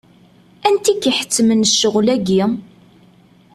Anti i k-iḥettmen ccɣel-agi?